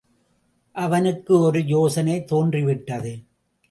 அவனுக்கு ஒரு யோசனை தோன்றிவிட்டது.